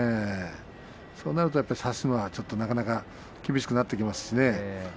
そうなると差すのは、なかなか厳しくなってきますしね。